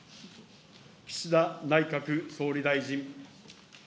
岸田内閣総理大臣。